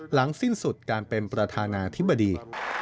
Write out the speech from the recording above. หลังสิ้นสุดการเป็นประธานาธิบดี